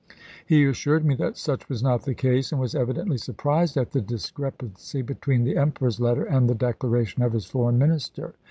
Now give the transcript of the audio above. He assured me that such was not the case, and was evidently surprised at the discrepancy between the Emperor's letter and the declaration of his Foreign Minister."